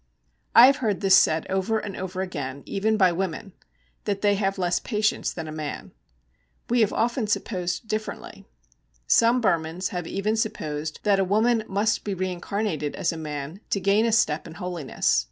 I have heard this said over and over again, even by women, that they have less patience than a man. We have often supposed differently. Some Burmans have even supposed that a woman must be reincarnated as a man to gain a step in holiness.